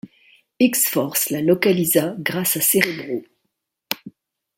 X-Force la localisa grâce à Cerebro.